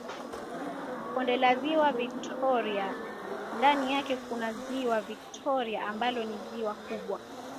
Bonde la Ziwa Victoria ndani yake kuna Ziwa Victoria ambalo ni ziwa kubwa